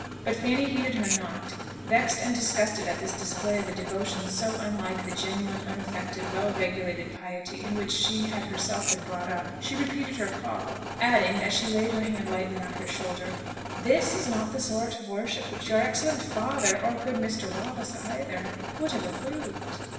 But Fanny heeded her not. Vexed and disgusted at this display of a devotion so unlike the genuine, unaffected, well regulated piety in which she had been herself brought up, she repeated her call, adding, as she laid her hand lightly on her shoulder, "This is not the sort of worship which your excellent father, or good Mr. Wallace either, would have approved."